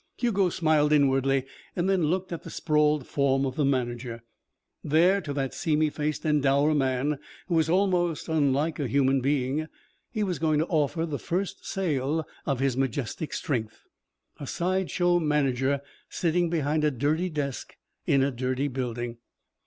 Hugo smiled inwardly and then looked at the sprawled form of the manager. There, to that seamy faced and dour man who was almost unlike a human being, he was going to offer the first sale of his majestic strength. A side show manager, sitting behind a dirty desk in a dirty building.